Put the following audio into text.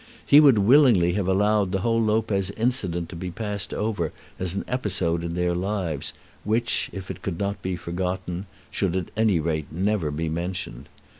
He would willingly have allowed the whole Lopez incident to be passed over as an episode in their lives, which, if it could not be forgotten, should at any rate never be mentioned.